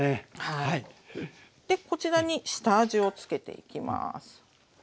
でこちらに下味をつけていきます。